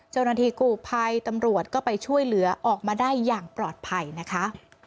เจ้าหน้าที่กู่ภัยตำรวจก็ไปช่วยเหลือออกมาได้อย่างปลอดภัยนะคะ